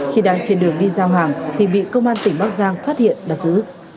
khi đang trên đường đi giao hàng thì bị công an tỉnh bắc giang phát hiện bắt giữ